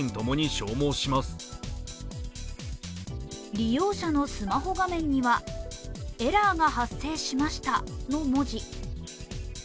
利用者のスマホ画面には、エラーが発生しましたの文字。